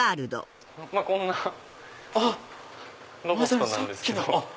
こんなロボットなんですけど。